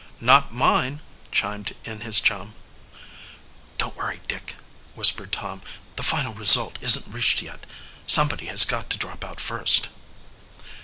"Nor mine," chimed in his chum. "Don't worry, Dick," whispered Tom. "The final result isn't reached yet. Somebody has got to drop out first."